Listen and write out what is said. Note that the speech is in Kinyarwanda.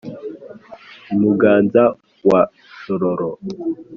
i muganza wa shororo